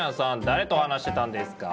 誰と話してたんですか？